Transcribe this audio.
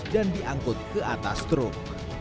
dan diangkut ke atas truk